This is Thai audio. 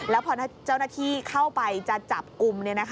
แล้วพอเจ้าหน้าที่เข้าไปจะจับกลุ่ม